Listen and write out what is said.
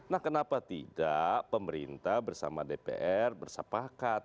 nah kenapa tidak pemerintah bersama dpr bersepakat